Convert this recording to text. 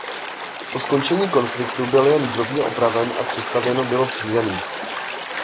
Po skončení konfliktu byl jen drobně opraven a přestavěno bylo přízemí.